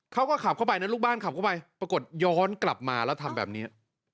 เขาก็ขับเข้าไปนะลูกบ้านขับเข้าไปปรากฏย้อนกลับมาแล้วทำแบบนี้